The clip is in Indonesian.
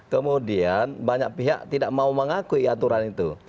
kemudian banyak pihak tidak mau mengakui aturan itu